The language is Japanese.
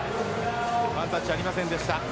ワンタッチありませんでした。